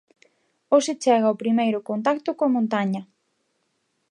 Hoxe chega o primeiro contacto coa montaña.